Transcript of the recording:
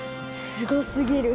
すごすぎる。